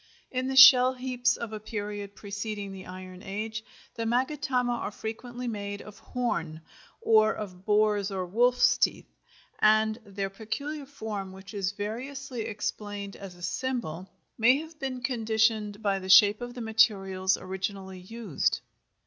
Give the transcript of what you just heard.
In the shell heaps of a period preceding the iron age, the magatama are frequently made of horn, or of boar's or wolf's teeth, and their peculiar form, which is variously explained as a symbol, may have been conditioned by the shape of the materials originally used.